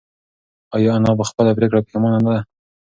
ایا انا په خپله پرېکړه پښېمانه ده؟